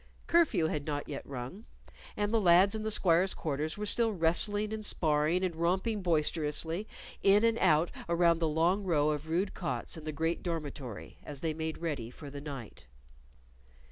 Curfew had not yet rung, and the lads in the squires' quarters were still wrestling and sparring and romping boisterously in and out around the long row of rude cots in the great dormitory as they made ready for the night.